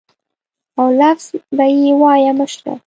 او لفظ به یې وایه مشره.